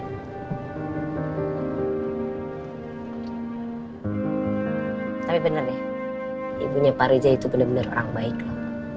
tapi bener deh ibunya pak rija itu bener bener orang baik loh